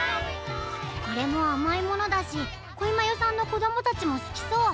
これもあまいものだしこいまゆさんのこどもたちもすきそう。